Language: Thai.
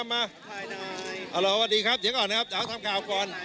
มาสวัสดีครับเดี๋ยวก่อนนะครับทำข่าวก่อน